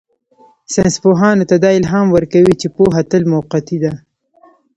ساینسپوهانو ته دا الهام ورکوي چې پوهه تل موقتي ده.